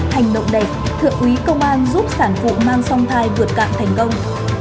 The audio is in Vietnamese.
hành động đẹp thượng úy công an giúp sản phụ mang song thai vượt cạn thành công